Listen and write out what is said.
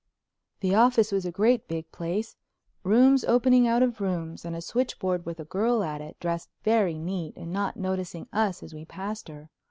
The office was a great big place, rooms opening out of rooms, and a switchboard with a girl at it, dressed very neat and not noticing us as we passed her.